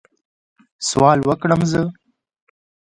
سوال وکړم زه؟